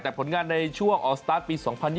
แต่ผลงานในช่วงออกสตาร์ทปี๒๐๒๐